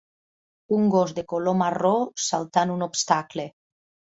Un gos de color marró saltant un obstacle.